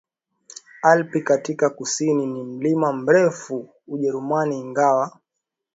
Alpi katika kusini ni milima mirefu Ujerumani ingawa